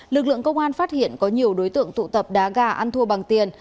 lực lượng công an phát hiện có nhiều đối tượng tụ tập đá gà ăn thua bằng tiền